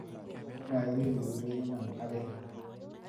moyanii keurerenon ageny.